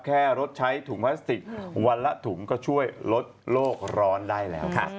แค่ลดใช้ถุงพลาสติกวันละถุงก็ช่วยลดโลกร้อนได้แล้วค่ะ